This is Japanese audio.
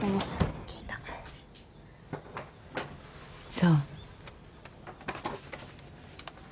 そう。